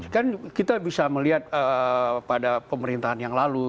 kan kita bisa melihat pada pemerintahan yang lalu